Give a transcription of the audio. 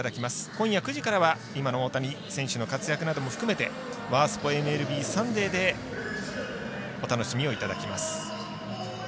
今夜９時からは今の大谷選手の活躍も含めて「ワースポ×ＭＬＢサンデー」でお楽しみいただきます。